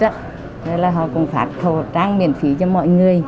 nên là họ cũng phát khẩu trang miễn phí cho mọi người